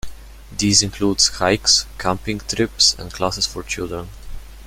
These include hikes, camping trips, and classes for children.